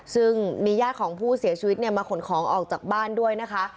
ซึ่งมีญาติของผู้เสียชีวิตเนี่ยมาขนของออกจากบ้านด้วยนะคะ